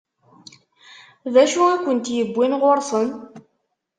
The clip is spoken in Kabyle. D acu i kent-iwwin ɣur-sen?